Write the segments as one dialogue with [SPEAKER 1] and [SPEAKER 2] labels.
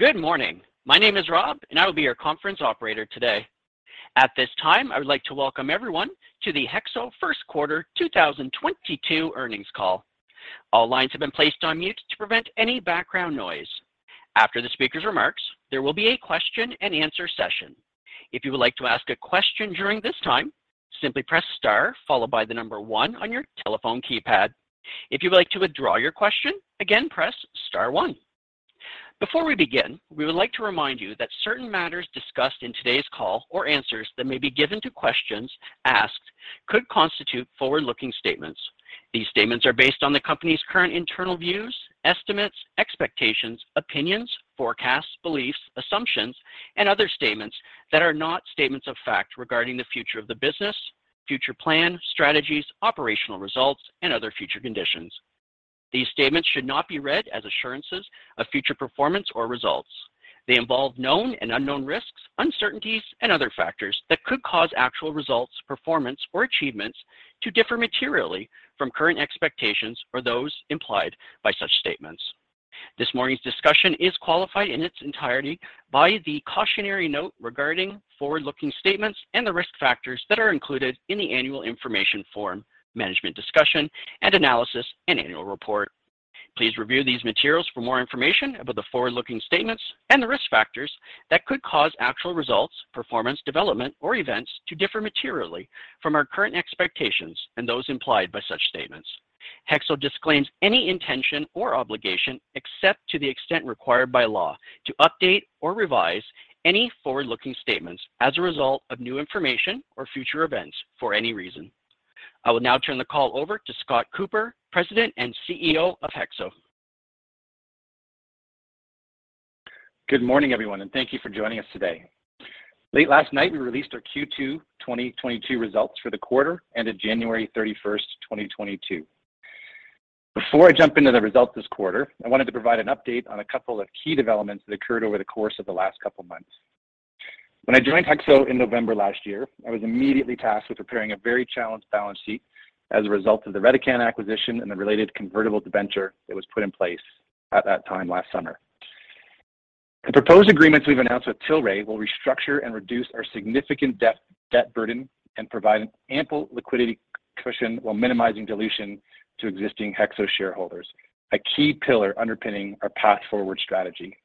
[SPEAKER 1] Good morning. My name is Rob, and I will be your conference operator today. At this time, I would like to welcome everyone to the HEXO First Quarter 2022 Earnings Call. All lines have been placed on mute to prevent any background noise. After the speaker's remarks, there will be a question and answer session. If you would like to ask a question during this time, simply press star followed by the number one on your telephone keypad. If you'd like to withdraw your question, again, press star one. Before we begin, we would like to remind you that certain matters discussed in today's call or answers that may be given to questions asked could constitute forward-looking statements. These statements are based on the company's current internal views, estimates, expectations, opinions, forecasts, beliefs, assumptions, and other statements that are not statements of fact regarding the future of the business, future plans, strategies, operational results, and other future conditions. These statements should not be read as assurances of future performance or results. They involve known and unknown risks, uncertainties, and other factors that could cause actual results, performance, or achievements to differ materially from current expectations or those implied by such statements. This morning's discussion is qualified in its entirety by the cautionary note regarding forward-looking statements and the risk factors that are included in the Annual Information Form, Management Discussion and Analysis and Annual Report. Please review these materials for more information about the forward-looking statements and the risk factors that could cause actual results, performance, development, or events to differ materially from our current expectations and those implied by such statements. HEXO disclaims any intention or obligation, except to the extent required by law, to update or revise any forward-looking statements as a result of new information or future events for any reason. I will now turn the call over to Scott Cooper, President and CEO of HEXO.
[SPEAKER 2] Good morning, everyone, and thank you for joining us today. Late last night, we released our Q2 2022 Results for the quarter ended January 31st, 2022. Before I jump into the results this quarter, I wanted to provide an update on a couple of key developments that occurred over the course of the last couple of months. When I joined HEXO in November last year, I was immediately tasked with preparing a very challenged balance sheet as a result of the Redecan acquisition and the related convertible debenture that was put in place at that time last summer. The proposed agreements we've announced with Tilray will restructure and reduce our significant debt burden and provide an ample liquidity cushion while minimizing dilution to existing HEXO shareholders, a key pillar underpinning our path forward strategy.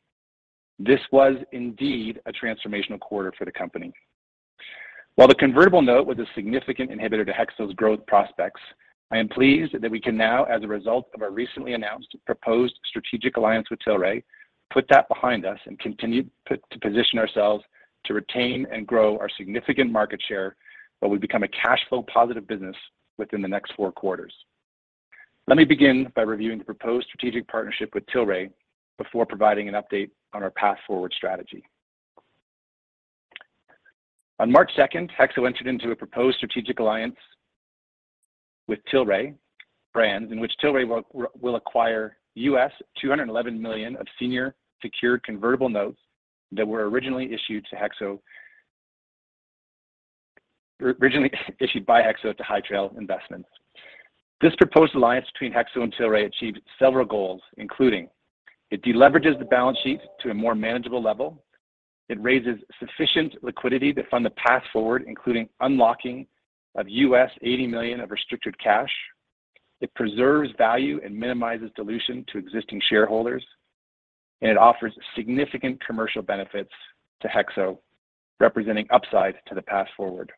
[SPEAKER 2] This was indeed a transformational quarter for the company. While the convertible note was a significant inhibitor to HEXO's growth prospects, I am pleased that we can now, as a result of our recently announced proposed strategic alliance with Tilray, put that behind us and continue to position ourselves to retain and grow our significant market share, but we become a cash flow positive business within the next four quarters. Let me begin by reviewing the proposed strategic partnership with Tilray before providing an update on our path forward strategy. On March second, HEXO entered into a proposed strategic alliance with Tilray Brands in which Tilray will acquire $211 million of senior secured convertible notes that were originally issued by HEXO to High Trail Investments. This proposed alliance between HEXO and Tilray achieved several goals including it de-leverages the balance sheet to a more manageable level, it raises sufficient liquidity to fund The Path Forward, including unlocking of $80 million of restricted cash, it preserves value and minimizes dilution to existing shareholders, and it offers significant commercial benefits to HEXO, representing upside to The Path Forward.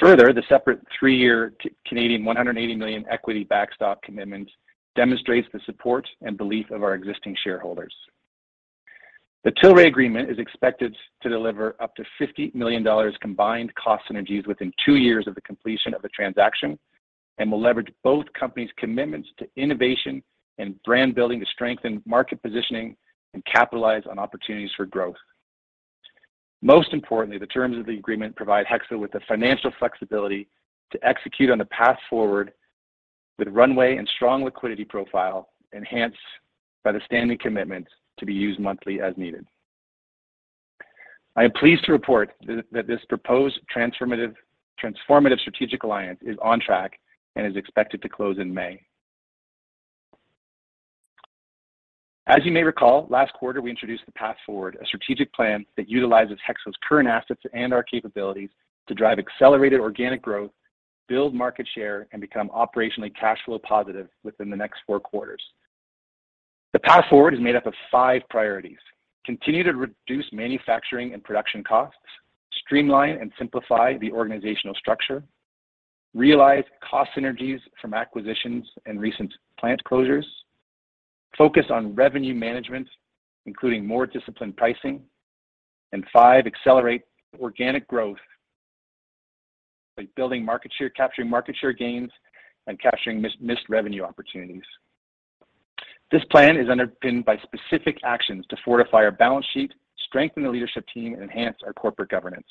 [SPEAKER 2] Further, the separate three-year 180 million Canadian dollars equity backstop commitment demonstrates the support and belief of our existing shareholders. The Tilray agreement is expected to deliver up to $50 million combined cost synergies within two years of the completion of the transaction and will leverage both companies' commitments to innovation and brand building to strengthen market positioning and capitalize on opportunities for growth. Most importantly, the terms of the agreement provide HEXO with the financial flexibility to execute on The Path Forward with runway and strong liquidity profile enhanced by the standing commitments to be used monthly as needed. I am pleased to report that this proposed transformative strategic alliance is on track and is expected to close in May. As you may recall, last quarter, we introduced The Path Forward, a strategic plan that utilizes HEXO's current assets and our capabilities to drive accelerated organic growth, build market share, and become operationally cash flow positive within the next four quarters. The Path Forward is made up of five priorities. Continue to reduce manufacturing and production costs, streamline and simplify the organizational structure, realize cost synergies from acquisitions and recent plant closures, focus on revenue management, including more disciplined pricing, and five, accelerate organic growth by building market share, capturing market share gains, and capturing missed revenue opportunities. This plan is underpinned by specific actions to fortify our balance sheet, strengthen the leadership team, and enhance our corporate governance,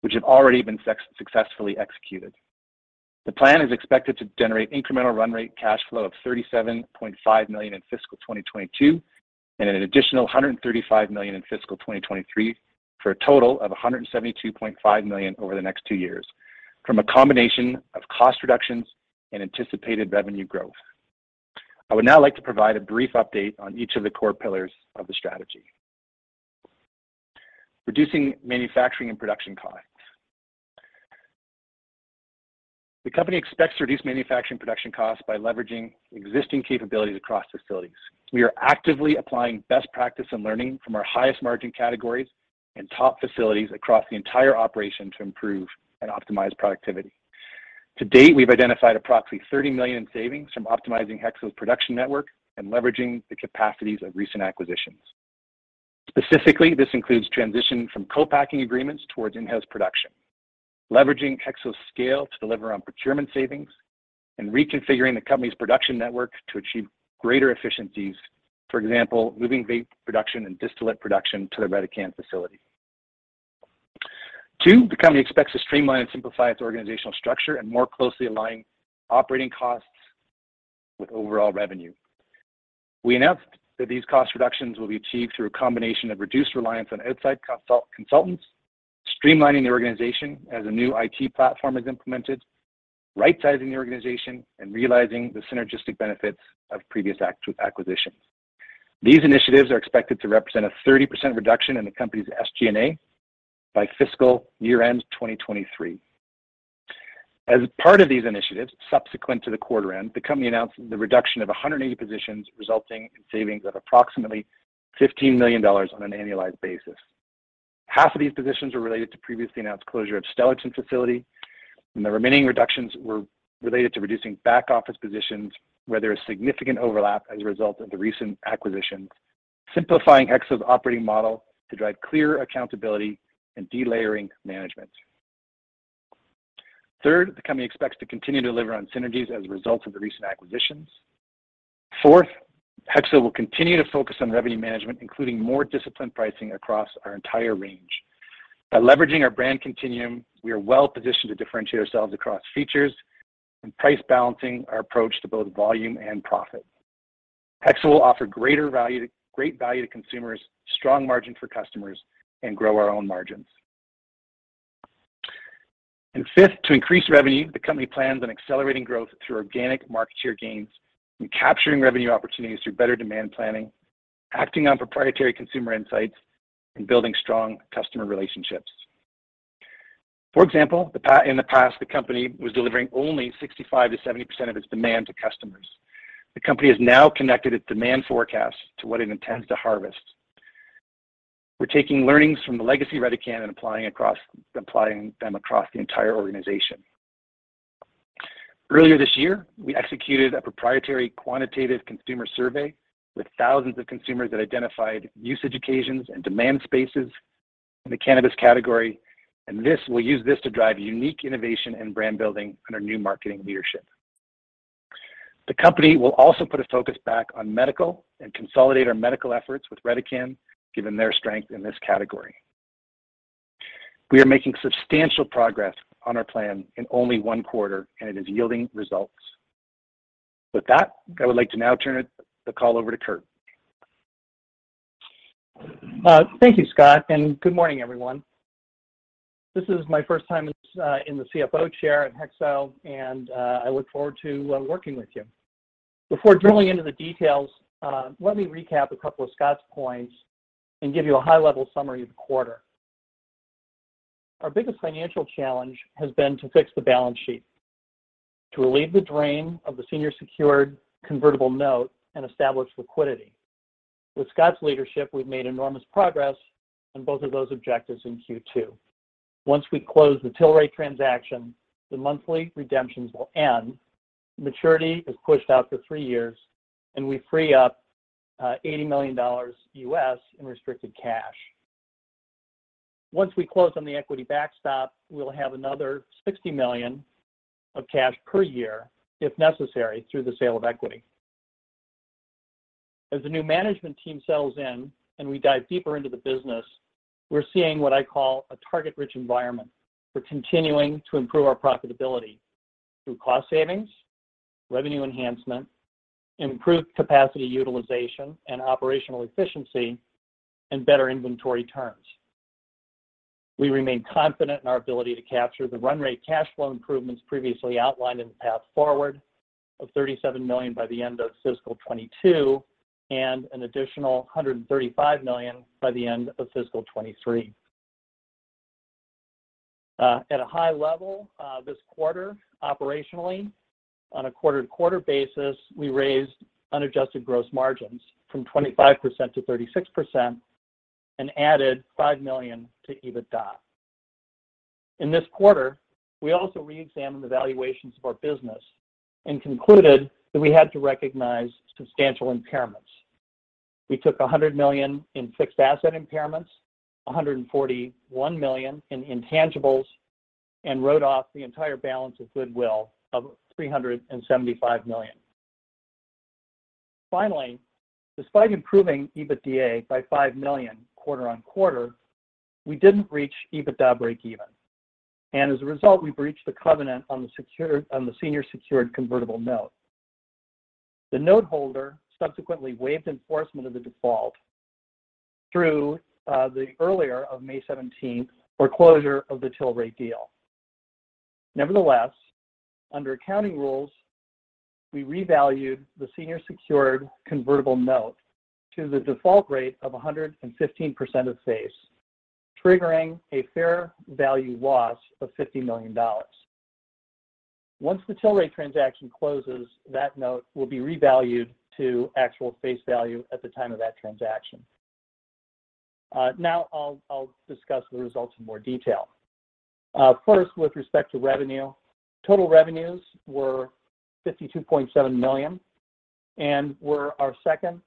[SPEAKER 2] which have already been successfully executed. The plan is expected to generate incremental run rate cash flow of 37.5 million in fiscal 2022, and an additional 135 million in fiscal 2023, for a total of 172.5 million over the next two years from a combination of cost reductions and anticipated revenue growth. I would now like to provide a brief update on each of the core pillars of the strategy. Reducing manufacturing and production costs. The company expects to reduce manufacturing production costs by leveraging existing capabilities across facilities. We are actively applying best practice and learning from our highest margin categories and top facilities across the entire operation to improve and optimize productivity. To date, we've identified approximately 30 million in savings from optimizing HEXO's production network and leveraging the capacities of recent acquisitions. Specifically, this includes transition from co-packing agreements towards in-house production, leveraging HEXO's scale to deliver on procurement savings, and reconfiguring the company's production network to achieve greater efficiencies. For example, moving vape production and distillate production to the Redecan facility. Two, the company expects to streamline and simplify its organizational structure and more closely align operating costs with overall revenue. We announced that these cost reductions will be achieved through a combination of reduced reliance on outside consultants, streamlining the organization as a new IT platform is implemented, right-sizing the organization, and realizing the synergistic benefits of previous acquisitions. These initiatives are expected to represent a 30% reduction in the company's SG&A by fiscal year-end 2023. As part of these initiatives, subsequent to the quarter end, the company announced the reduction of 180 positions, resulting in savings of approximately 15 million dollars on an annualized basis. Half of these positions were related to previously announced closure of Stellarton facility, and the remaining reductions were related to reducing back-office positions where there is significant overlap as a result of the recent acquisitions, simplifying Hexo's operating model to drive clear accountability and delayering management. Third, the company expects to continue to deliver on synergies as a result of the recent acquisitions. Fourth, HEXO will continue to focus on revenue management, including more disciplined pricing across our entire range. By leveraging our brand continuum, we are well-positioned to differentiate ourselves across features and price balancing our approach to both volume and profit. HEXO will offer greater value, great value to consumers, strong margin for customers, and grow our own margins. Fifth, to increase revenue, the company plans on accelerating growth through organic market share gains and capturing revenue opportunities through better demand planning, acting on proprietary consumer insights, and building strong customer relationships. For example, in the past, the company was delivering only 65%-70% of its demand to customers. The company has now connected its demand forecast to what it intends to harvest. We're taking learnings from the legacy Redecan and applying them across the entire organization. Earlier this year, we executed a proprietary quantitative consumer survey with thousands of consumers that identified usage occasions and demand spaces in the cannabis category. We'll use this to drive unique innovation and brand building under new marketing leadership. The company will also put a focus back on medical and consolidate our medical efforts with Redecan, given their strength in this category. We are making substantial progress on our plan in only one quarter, and it is yielding results. With that, I would like to now turn the call over to Curt.
[SPEAKER 3] Thank you, Scott, and good morning, everyone. This is my first time in the CFO chair at HEXO, and I look forward to working with you. Before drilling into the details, let me recap a couple of Scott's points and give you a high-level summary of the quarter. Our biggest financial challenge has been to fix the balance sheet, to relieve the drain of the senior secured convertible note and establish liquidity. With Scott's leadership, we've made enormous progress on both of those objectives in Q2. Once we close the Tilray transaction, the monthly redemptions will end, maturity is pushed out to three years, and we free up $80 million in restricted cash. Once we close on the equity backstop, we'll have another 60 million of cash per year, if necessary, through the sale of equity. As the new management team settles in and we dive deeper into the business, we're seeing what I call a target-rich environment for continuing to improve our profitability through cost savings, revenue enhancement, improved capacity utilization and operational efficiency, and better inventory terms. We remain confident in our ability to capture the run rate cash flow improvements previously outlined in The Path Forward of 37 million by the end of fiscal 2022, and an additional 135 million by the end of fiscal 2023. At a high level, this quarter, operationally, on a quarter-to-quarter basis, we raised unadjusted gross margins from 25% to 36% and added 5 million to EBITDA. In this quarter, we also re-examined the valuations of our business and concluded that we had to recognize substantial impairments. We took 100 million in fixed asset impairments, 141 million in intangibles, and wrote off the entire balance of goodwill of 375 million. Finally, despite improving EBITDA by 5 million quarter on quarter, we didn't reach EBITDA breakeven. As a result, we breached the covenant on the senior secured convertible note. The noteholder subsequently waived enforcement of the default through the earlier of May 17th or closure of the Tilray deal. Nevertheless, under accounting rules, we revalued the senior secured convertible note to the default rate of 115% of face, triggering a fair value loss of 50 million dollars. Once the Tilray transaction closes, that note will be revalued to actual face value at the time of that transaction. Now I'll discuss the results in more detail. First, with respect to revenue, total revenues were 52.7 million and were our second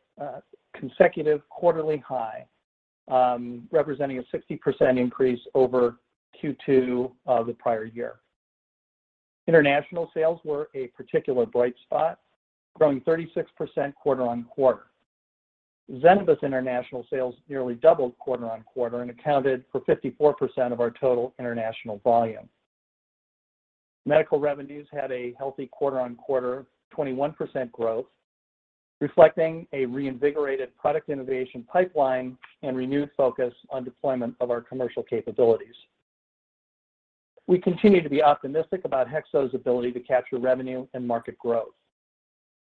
[SPEAKER 3] consecutive quarterly high, representing a 60% increase over Q2 of the prior year. International sales were a particular bright spot, growing 36% quarter-on-quarter. Zenabis international sales nearly doubled quarter-on-quarter and accounted for 54% of our total international volume. Medical revenues had a healthy quarter-on-quarter 21% growth, reflecting a reinvigorated product innovation pipeline and renewed focus on deployment of our commercial capabilities. We continue to be optimistic about HEXO's ability to capture revenue and market growth.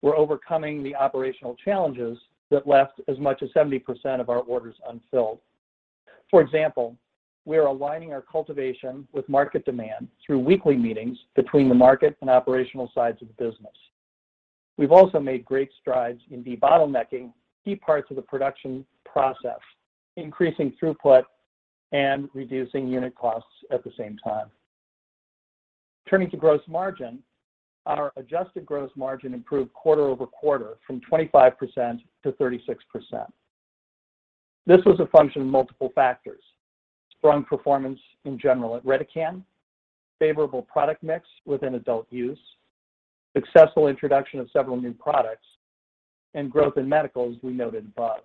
[SPEAKER 3] We're overcoming the operational challenges that left as much as 70% of our orders unfilled. For example, we are aligning our cultivation with market demand through weekly meetings between the market and operational sides of the business. We've also made great strides in debottlenecking key parts of the production process, increasing throughput and reducing unit costs at the same time. Turning to gross margin, our adjusted gross margin improved quarter over quarter from 25% to 36%. This was a function of multiple factors. Strong performance in general at Redecan, favorable product mix within adult use, successful introduction of several new products, and growth in medical as we noted above.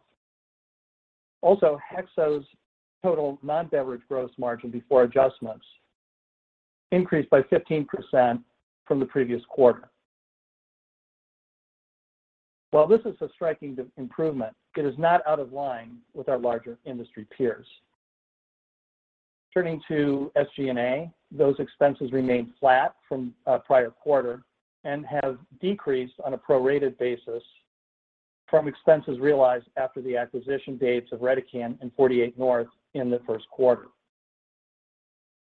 [SPEAKER 3] Also, HEXO's total non-beverage gross margin before adjustments increased by 15% from the previous quarter. While this is a striking improvement, it is not out of line with our larger industry peers. Turning to SG&A, those expenses remained flat from a prior quarter and have decreased on a prorated basis from expenses realized after the acquisition dates of Redecan and 48North in the first quarter.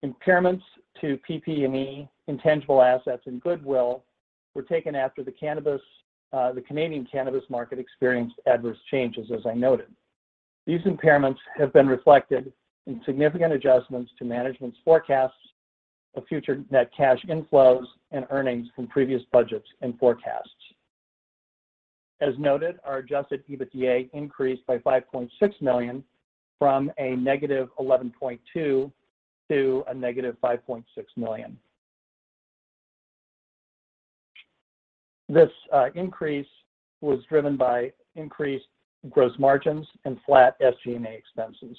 [SPEAKER 3] Impairments to PP&E, intangible assets and goodwill were taken after the Canadian cannabis market experienced adverse changes, as I noted. These impairments have been reflected in significant adjustments to management's forecasts of future net cash inflows and earnings from previous budgets and forecasts. As noted, our adjusted EBITDA increased by 5.6 million from a -11.2 million to a negative 5.6 million. This increase was driven by increased gross margins and flat SG&A expenses.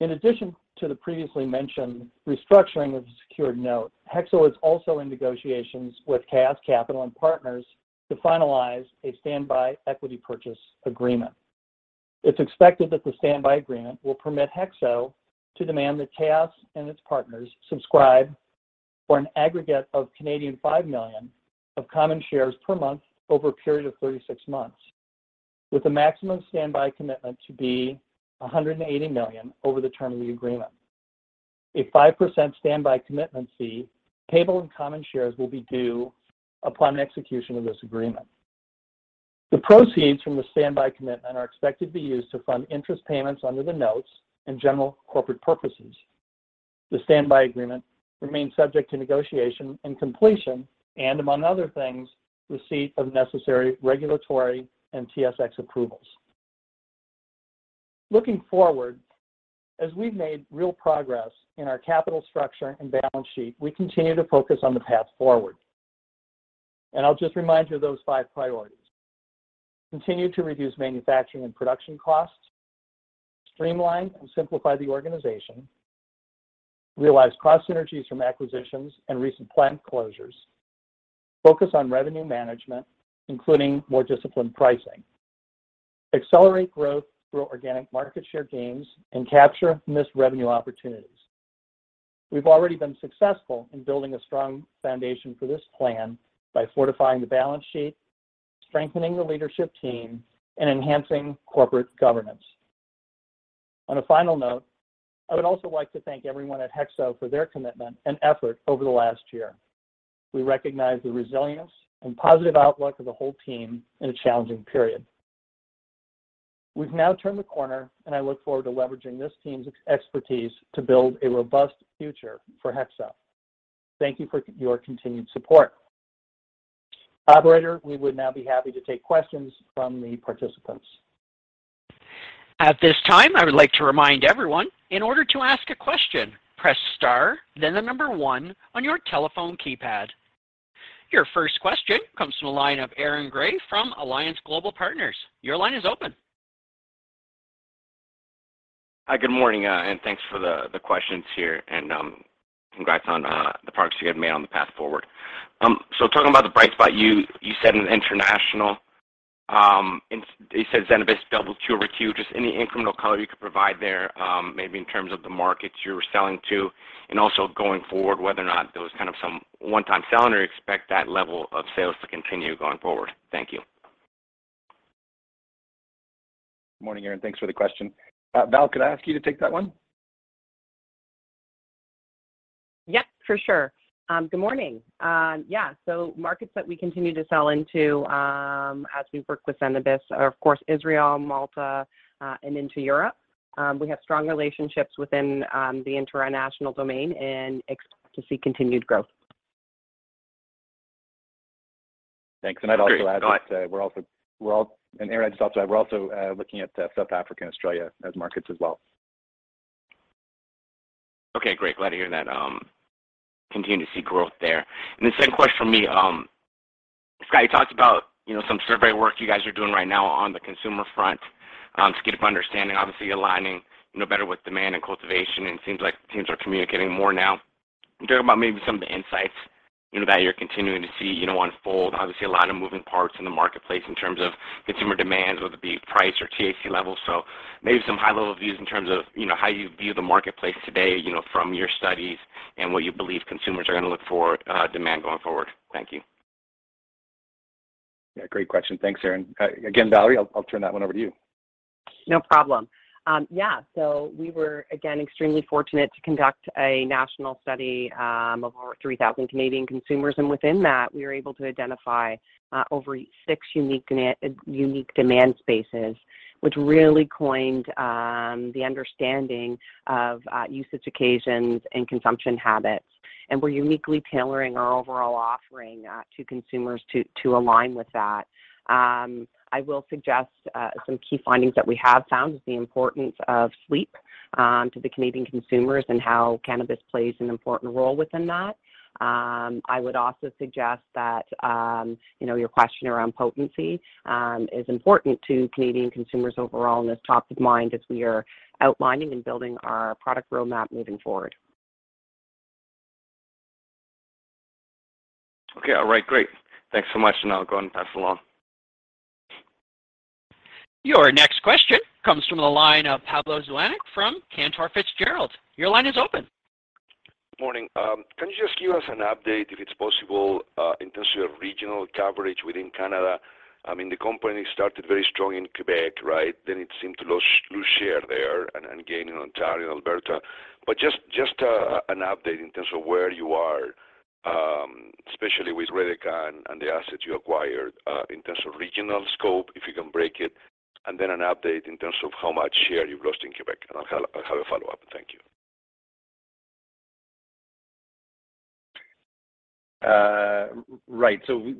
[SPEAKER 3] In addition to the previously mentioned restructuring of the secured note, HEXO is also in negotiations with KAOS Capital to finalize a standby equity purchase agreement. It's expected that the standby agreement will permit HEXO to demand that KAOS and its partners subscribe for an aggregate of 5 million of common shares per month over a period of 36 months, with a maximum standby commitment to be 180 million over the term of the agreement. A 5% standby commitment fee payable in common shares will be due upon execution of this agreement. The proceeds from the standby commitment are expected to be used to fund interest payments under the notes and general corporate purposes. The standby agreement remains subject to negotiation and completion and, among other things, receipt of necessary regulatory and TSX approvals. Looking forward, as we've made real progress in our capital structure and balance sheet, we continue to focus on The Path Forward. I'll just remind you of those five priorities. Continue to reduce manufacturing and production costs. Streamline and simplify the organization. Realize cross synergies from acquisitions and recent plant closures. Focus on revenue management, including more disciplined pricing. Accelerate growth through organic market share gains and capture missed revenue opportunities. We've already been successful in building a strong foundation for this plan by fortifying the balance sheet, strengthening the leadership team, and enhancing corporate governance. On a final note, I would also like to thank everyone at HEXO for their commitment and effort over the last year. We recognize the resilience and positive outlook of the whole team in a challenging period. We've now turned the corner, and I look forward to leveraging this team's expertise to build a robust future for HEXO. Thank you for your continued support. Operator, we would now be happy to take questions from the participants.
[SPEAKER 1] At this time, I would like to remind everyone, in order to ask a question, press star then the number one on your telephone keypad. Your first question comes from the line of Aaron Grey from Alliance Global Partners. Your line is open.
[SPEAKER 4] Hi, good morning, and thanks for the questions here, and congrats on the progress you guys made on The Path Forward. So talking about the bright spot you said in international, and you said Zenabis doubled Q over Q. Just any incremental color you could provide there, maybe in terms of the markets you were selling to. Also going forward, whether or not there was kind of some one-time sell, and you expect that level of sales to continue going forward. Thank you.
[SPEAKER 2] Morning, Aaron. Thanks for the question. Val, could I ask you to take that one?
[SPEAKER 5] Yep, for sure. Good morning. Yeah, markets that we continue to sell into, as we work with Zenabis are of course Israel, Malta, and into Europe. We have strong relationships within the international domain and expect to see continued growth.
[SPEAKER 2] Thanks. I'd also add.
[SPEAKER 4] Great. Go ahead
[SPEAKER 2] Aaron, just to add, we're also looking at South Africa and Australia as markets as well.
[SPEAKER 4] Okay, great. Glad to hear that, continue to see growth there. The second question from me, Scott, you talked about, you know, some survey work you guys are doing right now on the consumer front, to get up to understanding, obviously aligning, you know, better with demand and cultivation, and it seems like teams are communicating more now. Can you talk about maybe some of the insights, you know, that you're continuing to see, you know, unfold. Obviously a lot of moving parts in the marketplace in terms of consumer demands, whether it be price or THC levels. Maybe some high-level views in terms of, you know, how you view the marketplace today, you know, from your studies and what you believe consumers are gonna look for, demand going forward. Thank you.
[SPEAKER 2] Yeah, great question. Thanks, Aaron. Again, Valerie, I'll turn that one over to you.
[SPEAKER 5] No problem. We were, again, extremely fortunate to conduct a national study of over 3,000 Canadian consumers, and within that we were able to identify over six unique demand spaces, which really coined the understanding of usage occasions and consumption habits, and we're uniquely tailoring our overall offering to consumers to align with that. I will suggest some key findings that we have found is the importance of sleep to the Canadian consumers and how cannabis plays an important role within that. I would also suggest that, you know, your question around potency is important to Canadian consumers overall and is top of mind as we are outlining and building our product roadmap moving forward.
[SPEAKER 4] Okay. All right. Great. Thanks so much, and I'll go and pass along.
[SPEAKER 1] Your next question comes from the line of Pablo Zuanic from Cantor Fitzgerald. Your line is open.
[SPEAKER 6] Morning. Can you just give us an update, if it's possible, in terms of regional coverage within Canada? I mean, the company started very strong in Quebec, right? It seemed to lose share there and gain in Ontario and Alberta. Just an update in terms of where you are, especially with Redecan and the assets you acquired, in terms of regional scope, if you can break it. An update in terms of how much share you've lost in Quebec, and I'll have a follow-up. Thank you.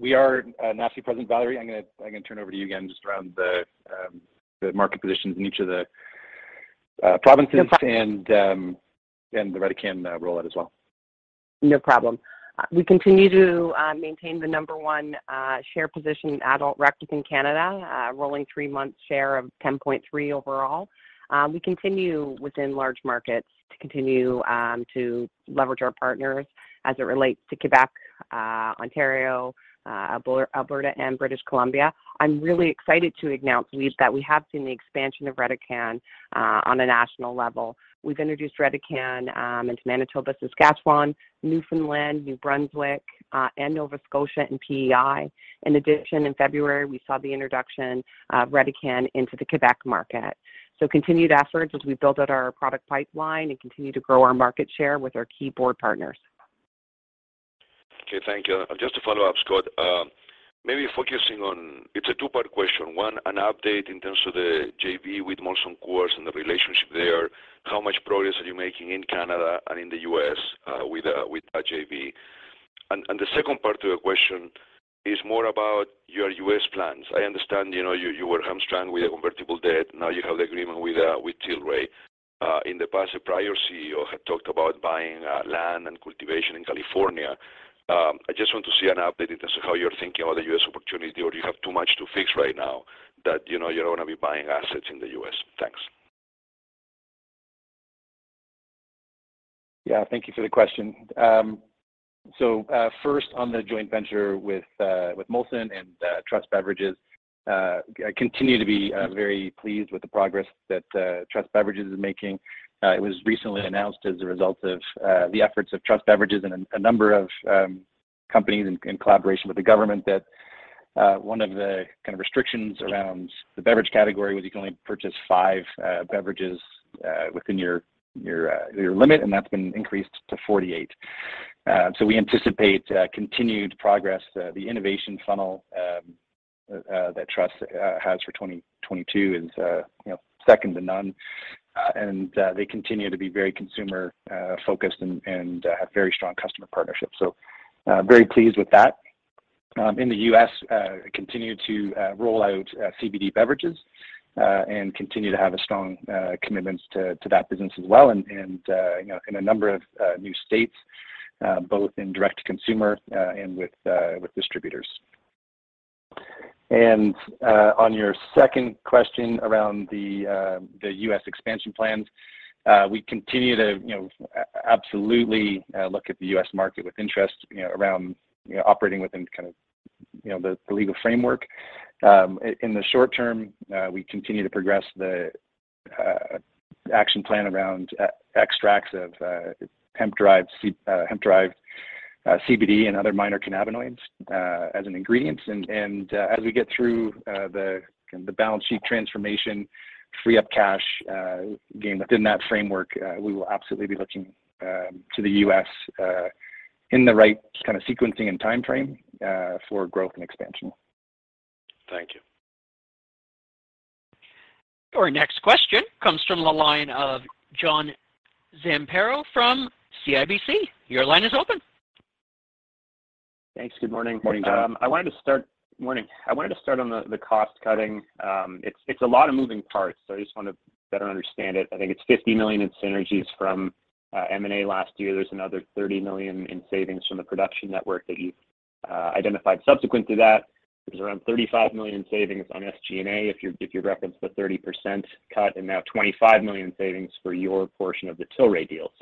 [SPEAKER 2] We are nicely present. Valerie, I'm gonna turn over to you again just around the market positions in each of the provinces and the Redecan rollout as well.
[SPEAKER 5] No problem. We continue to maintain the number one share position in adult rec just in Canada, rolling three-month share of 10.3% overall. We continue within large markets to leverage our partners as it relates to Quebec, Ontario, Alberta and British Columbia. I'm really excited to announce that we have seen the expansion of Redecan on a national level. We've introduced Redecan into Manitoba, Saskatchewan, Newfoundland, New Brunswick, and Nova Scotia and PEI. In addition, in February, we saw the introduction of Redecan into the Quebec market. Continued efforts as we build out our product pipeline and continue to grow our market share with our key brand partners.
[SPEAKER 6] Okay, thank you. Just a follow-up, Scott. Maybe focusing on. It's a two-part question. One, an update in terms of the JV with Molson Coors and the relationship there. How much progress are you making in Canada and in the U.S., with that JV? And the second part to the question is more about your U.S. plans. I understand, you know, you were hamstrung with a convertible debt. Now you have the agreement with Tilray. In the past, the prior CEO had talked about buying land and cultivation in California. I just want to see an update in terms of how you're thinking about the U.S. opportunity, or do you have too much to fix right now that, you know, you don't wanna be buying assets in the U.S.? Thanks.
[SPEAKER 2] Yeah. Thank you for the question. So, first on the joint venture with Molson and Truss Beverages, I continue to be very pleased with the progress that Truss Beverages is making. It was recently announced as a result of the efforts of Truss Beverages and a number of companies in collaboration with the government that one of the kind of restrictions around the beverage category was you can only purchase five beverages within your limit, and that's been increased to 48. So we anticipate continued progress. The innovation funnel that Truss has for 2022 is, you know, second to none, and they continue to be very consumer focused and have very strong customer partnerships. Very pleased with that. In the U.S., continue to roll out CBD beverages and continue to have a strong commitment to that business as well and you know, in a number of new states, both in direct to consumer and with distributors. On your second question around the U.S. expansion plans, we continue to absolutely look at the U.S. market with interest you know, around operating within kind of the legal framework. In the short term, we continue to progress the action plan around extracts of hemp-derived CBD and other minor cannabinoids as an ingredient. As we get through the balance sheet transformation, free up cash, again, within that framework, we will absolutely be looking to the U.S. in the right kind of sequencing and timeframe for growth and expansion.
[SPEAKER 6] Thank you.
[SPEAKER 1] Our next question comes from the line of John Zamparo from CIBC. Your line is open.
[SPEAKER 7] Thanks. Good morning.
[SPEAKER 2] Morning, John.
[SPEAKER 7] I wanted to start on the cost cutting. It's a lot of moving parts, so I just want to better understand it. I think it's 50 million in synergies from M&A last year. There's another 30 million in savings from the production network that you've identified subsequent to that. There's around 35 million savings on SG&A, if you reference the 30% cut, and now 25 million savings for your portion of the Tilray deal.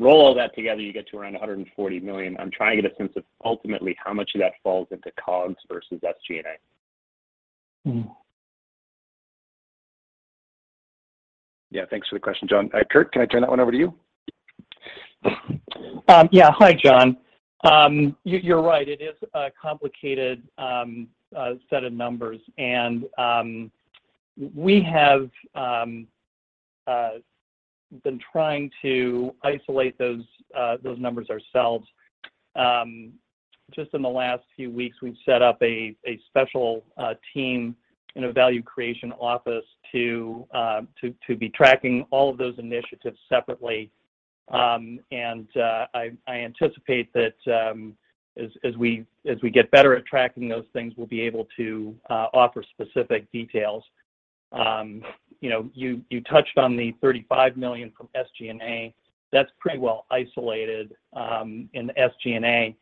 [SPEAKER 7] Roll all that together, you get to around 140 million. I'm trying to get a sense of ultimately how much of that falls into COGS versus SG&A.
[SPEAKER 2] Yeah, thanks for the question, John. Kirk, can I turn that one over to you?
[SPEAKER 3] Yeah. Hi, John. You're right. It is a complicated set of numbers, and we have been trying to isolate those numbers ourselves. Just in the last few weeks, we've set up a special team in a Value Creation Office to be tracking all of those initiatives separately. I anticipate that, as we get better at tracking those things, we'll be able to offer specific details. You know, you touched on the 35 million from SG&A. That's pretty well isolated in the SG&A.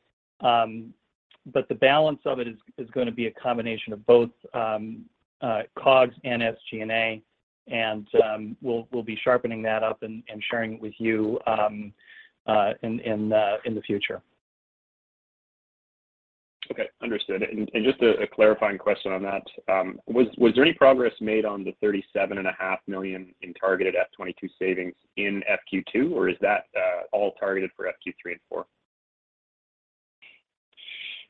[SPEAKER 3] But the balance of it is gonna be a combination of both COGS and SG&A, and we'll be sharpening that up and sharing it with you in the future.
[SPEAKER 7] Okay. Understood. Just a clarifying question on that. Was there any progress made on the 37.5 million in targeted FY 2022 savings in FQ2, or is that all targeted for FQ3 and FQ4?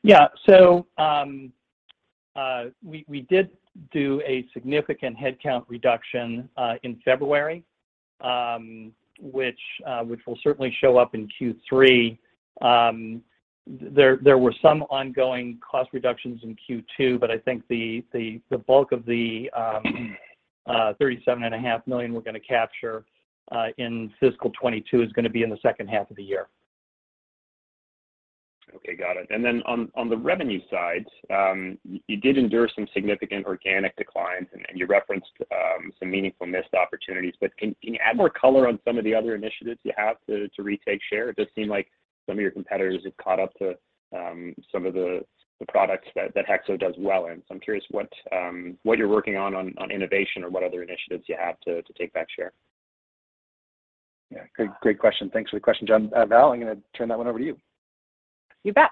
[SPEAKER 3] Yeah. We did do a significant headcount reduction in February, which will certainly show up in Q3. There were some ongoing cost reductions in Q2, but I think the bulk of the 37.5 million we're gonna capture in fiscal 2022 is gonna be in the second half of the year.
[SPEAKER 7] Okay. Got it. On the revenue side, you did endure some significant organic declines and you referenced some meaningful missed opportunities, but can you add more color on some of the other initiatives you have to retake share? It does seem like some of your competitors have caught up to some of the products that HEXO does well in. I'm curious what you're working on innovation or what other initiatives you have to take back share.
[SPEAKER 2] Yeah. Great question. Thanks for the question, John. Val, I'm gonna turn that one over to you.
[SPEAKER 5] You bet.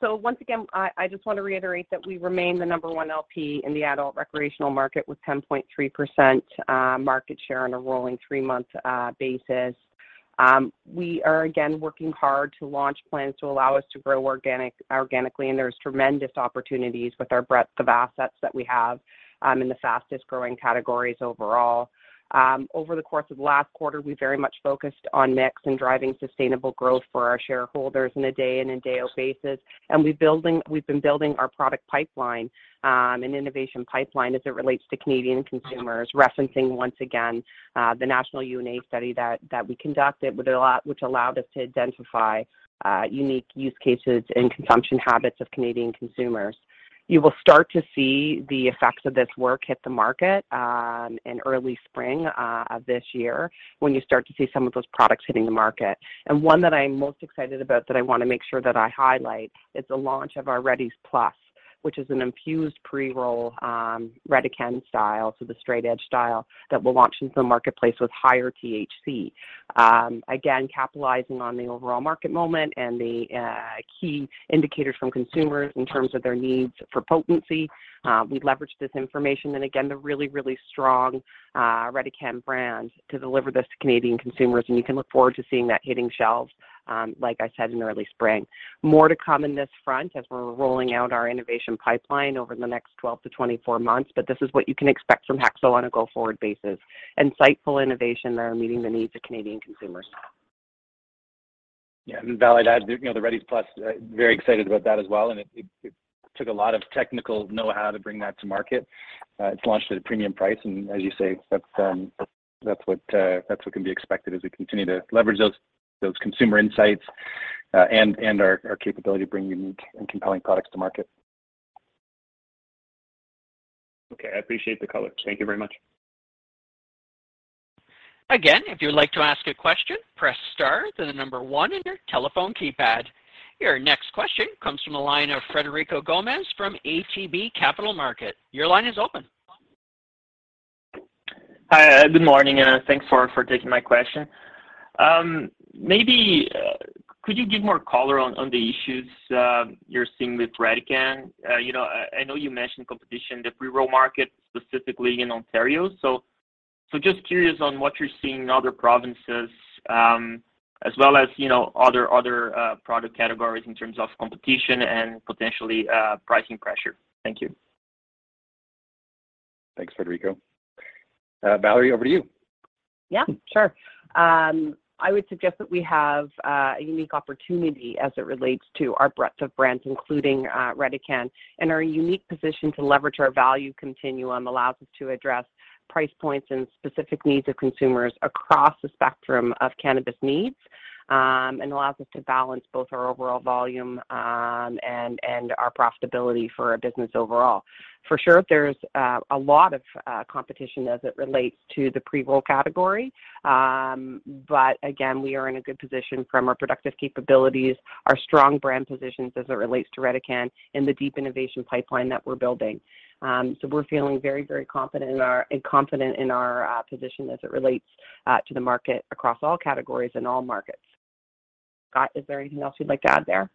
[SPEAKER 5] So once again, I just wanna reiterate that we remain the number one LP in the adult recreational market with 10.3% market share on a rolling three-month basis. We are again working hard to launch plans to allow us to grow organically, and there's tremendous opportunities with our breadth of assets that we have in the fastest-growing categories overall. Over the course of last quarter, we very much focused on mix and driving sustainable growth for our shareholders on a day in and day out basis, and we've been building our product pipeline and innovation pipeline as it relates to Canadian consumers, referencing once again the national U&A study that we conducted which allowed us to identify unique use cases and consumption habits of Canadian consumers. You will start to see the effects of this work hit the market, in early spring, of this year, when you start to see some of those products hitting the market. One that I'm most excited about that I wanna make sure that I highlight is the launch of our Readies Plus, which is an infused pre-roll, Redecan style, so the straight edge style, that we'll launch into the marketplace with higher THC. Again, capitalizing on the overall market moment and the, key indicators from consumers in terms of their needs for potency. We've leveraged this information and again, the really, really strong, Redecan brand to deliver this to Canadian consumers, and you can look forward to seeing that hitting shelves, like I said, in early spring. More to come in this front as we're rolling out our innovation pipeline over the next 12-24 months, but this is what you can expect from HEXO on a go-forward basis. Insightful innovation that are meeting the needs of Canadian consumers.
[SPEAKER 2] Yeah. Val, I'd add, you know, the Readies Plus, very excited about that as well, and it took a lot of technical know-how to bring that to market. It's launched at a premium price, and as you say, that's what can be expected as we continue to leverage those consumer insights, and our capability to bring unique and compelling products to market.
[SPEAKER 7] Okay. I appreciate the color. Thank you very much.
[SPEAKER 1] Your next question comes from the line of Frederico Gomes from ATB Capital Markets. Your line is open.
[SPEAKER 8] Hi, good morning and thanks for taking my question. Maybe could you give more color on the issues you're seeing with Redecan? You know, I know you mentioned competition, the pre-roll market specifically in Ontario. Just curious on what you're seeing in other provinces, as well as, you know, other product categories in terms of competition and potentially pricing pressure. Thank you.
[SPEAKER 2] Thanks, Frederico. Valerie, over to you.
[SPEAKER 5] Yeah, sure. I would suggest that we have a unique opportunity as it relates to our breadth of brands including Redecan. Our unique position to leverage our value continuum allows us to address price points and specific needs of consumers across the spectrum of cannabis needs, and allows us to balance both our overall volume and our profitability for our business overall. For sure, there's a lot of competition as it relates to the pre-roll category. Again, we are in a good position from our productive capabilities, our strong brand positions as it relates to Redecan and the deep innovation pipeline that we're building. We're feeling very confident in our position as it relates to the market across all categories and all markets. Scott, is there anything else you'd like to add there?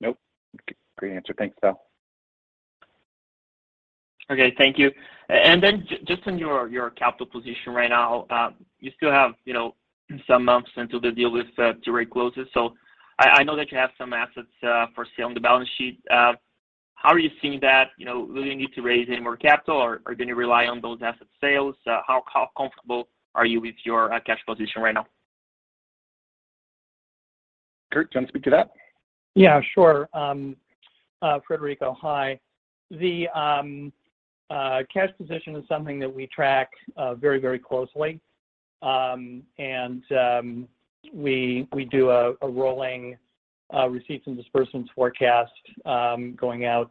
[SPEAKER 2] Nope. Great answer. Thanks, Val.
[SPEAKER 8] Okay, thank you. Just on your capital position right now, you still have, you know, some months until the deal with Tilray closes. I know that you have some assets for sale on the balance sheet. How are you seeing that? You know, will you need to raise any more capital, or do you rely on those asset sales? How comfortable are you with your cash position right now?
[SPEAKER 2] Kurt, do you want to speak to that?
[SPEAKER 3] Yeah, sure. Frederico, hi. The cash position is something that we track very closely. We do a rolling receipts and disbursements forecast going out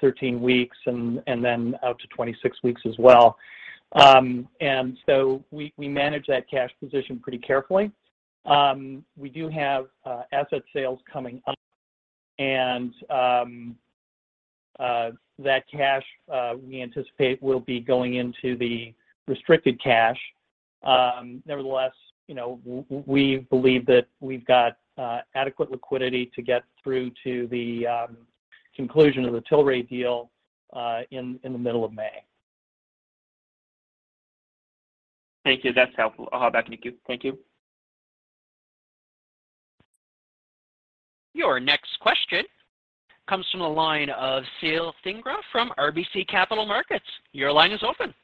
[SPEAKER 3] 13 weeks and then out to 26 weeks as well. We manage that cash position pretty carefully. We do have asset sales coming up and that cash we anticipate will be going into the restricted cash. Nevertheless, you know, we believe that we've got adequate liquidity to get through to the conclusion of the Tilray deal in the middle of May.
[SPEAKER 8] Thank you. That's helpful. I'll hand back to you. Thank you.
[SPEAKER 1] Your next question comes from the line of Sahil Singla from RBC Capital Markets. Your line is open.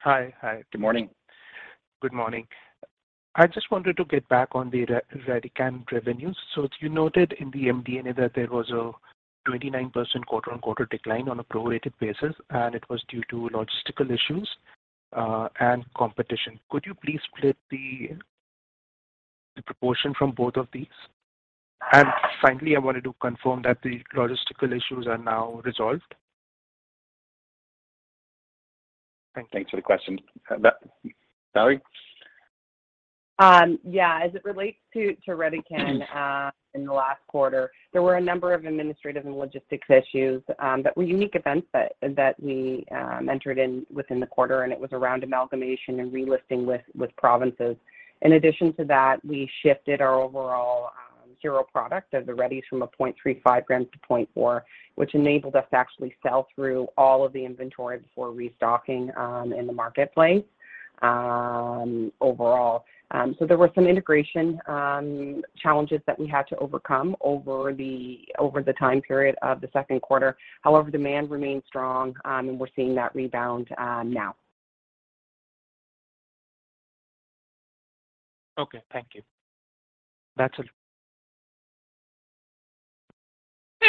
[SPEAKER 9] Hi. Hi.
[SPEAKER 2] Good morning.
[SPEAKER 9] Good morning. I just wanted to get back on the Redecan revenues. You noted in the MD&A that there was a 29% quarter-on-quarter decline on a prorated basis, and it was due to logistical issues and competition. Could you please split the proportion from both of these? Finally, I wanted to confirm that the logistical issues are now resolved. Thank you.
[SPEAKER 2] Thanks for the question. Valerie?
[SPEAKER 5] Yeah. As it relates to Redecan, in the last quarter, there were a number of administrative and logistics issues that were unique events that we encountered within the quarter, and it was around amalgamation and relisting with provinces. In addition to that, we shifted our overall hero product of the Redees from 0.35 grams to 0.4, which enabled us to actually sell through all of the inventory before restocking in the marketplace overall. There were some integration challenges that we had to overcome over the time period of the second quarter. However, demand remained strong, and we're seeing that rebound now.
[SPEAKER 9] Okay, thank you.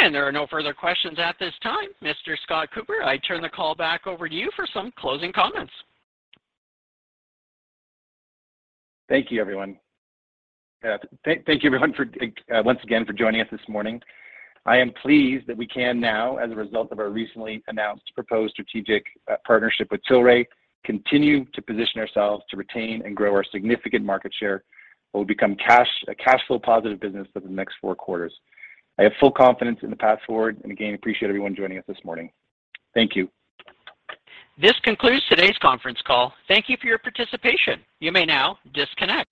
[SPEAKER 9] That's it.
[SPEAKER 1] There are no further questions at this time. Mr. Scott Cooper, I turn the call back over to you for some closing comments.
[SPEAKER 2] Thank you, everyone. Thank you, everyone once again for joining us this morning. I am pleased that we can now, as a result of our recently announced proposed strategic partnership with Tilray, continue to position ourselves to retain and grow our significant market share and will become a cash flow positive business for the next four quarters. I have full confidence in The Path Forward, and again, appreciate everyone joining us this morning. Thank you.
[SPEAKER 1] This concludes today's conference call. Thank you for your participation. You may now disconnect.